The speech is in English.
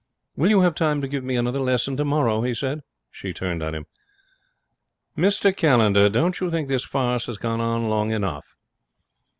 'Will you have time to give me another lesson tomorrow?' he said. She turned on him. 'Mr Callender, don't you think this farce has gone on long enough?'